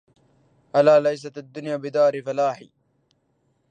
ألا ليست الدنيا بدار فلاح